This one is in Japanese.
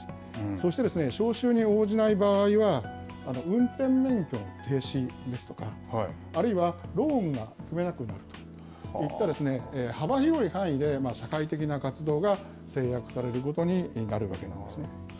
そして招集に応じない場合は、運転免許の停止ですとか、あるいはローンが組めなくなるといった、幅広い範囲で社会的な活動が制約されることになるわけなんですね。